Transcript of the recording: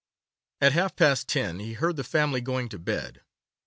At half past ten he heard the family going to bed.